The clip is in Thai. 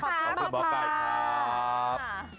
ขอบคุณหมอไก่ครับ